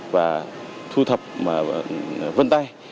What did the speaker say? và thu thập vân tay